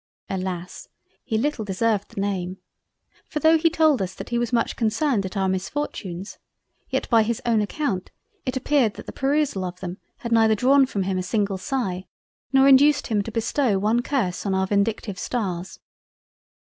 Alas! he little deserved the name—for though he told us that he was much concerned at our Misfortunes, yet by his own account it appeared that the perusal of them, had neither drawn from him a single sigh, nor induced him to bestow one curse on our vindictive stars—.